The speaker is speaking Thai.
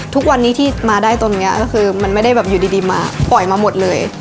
ทุกวันนี้ที่มาได้ตรงนี้ก็คือมันไม่ได้แบบอยู่ดีมาปล่อยมาหมดเลย